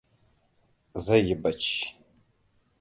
Zai yi bacci.